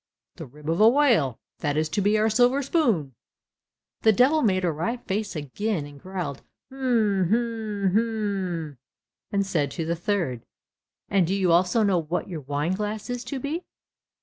"The rib of a whale, that is to be our silver spoon." The Devil made a wry face, again growled, "Hm! hm! hm!" and said to the third, "And do you also know what your wine glass is to be?"